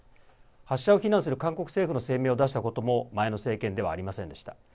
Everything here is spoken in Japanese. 発射を非難する韓国政府の声明を出したことも前の政権ではありませんでした。